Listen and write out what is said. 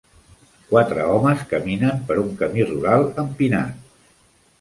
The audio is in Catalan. Quatre homes caminen per un camí rural empinat.